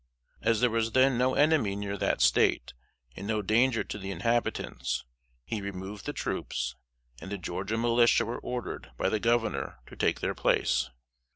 As there was then no enemy near that State, and no danger to the inhabitants, he removed the troops, and the Georgia militia were ordered by the Governor to take their place.